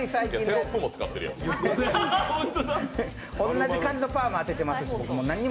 同じ感じのパーマ当ててます。